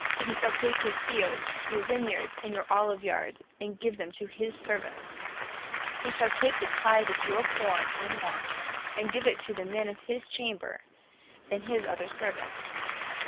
He shall take your fields, your vine yards, and your olive yards, and give them to his servants. He shall take the tyth of your corne and wine, and give it to the men of his chamber, and to his other servants.